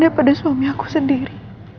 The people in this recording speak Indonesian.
daripada suami aku sendiri